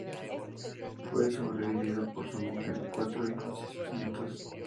Fue sobrevivido por su mujer, cuatro hijos, y sus nietos.